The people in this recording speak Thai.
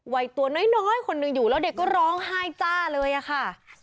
วัยตัวน้อยคนหนึ่งอยู่แล้วเด็กก็ร้องไห้จ้าเลยอะค่ะ